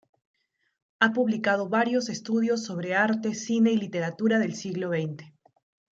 Ha publicado varios estudios sobre arte, cine y literatura del siglo xx.